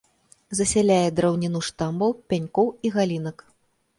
Засяляе драўніну штамбаў, пянькоў і галінак.